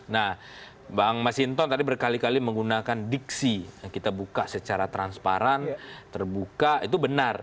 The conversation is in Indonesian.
nah bang masinton tadi berkali kali menggunakan diksi kita buka secara transparan terbuka itu benar